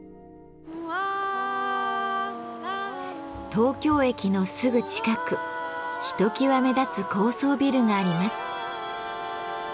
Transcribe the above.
東京駅のすぐ近くひときわ目立つ高層ビルがあります。